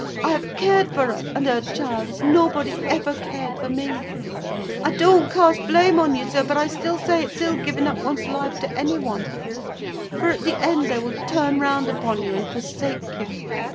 I have cared for her and her child, as nobody ever cared for me. I don't cast blame on you, sir, but I say it's ill giving up one's life to any one; for, at the end, they will turn round upon you, and forsake you.